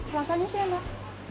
rasanya sih enak